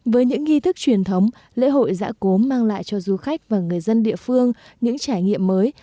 với những nghi thức truyền thống lễ hội giã cốm mang lại cho du khách và người dân địa phương những trải nghiệm mới